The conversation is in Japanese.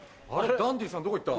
ダンディさんどこ行った？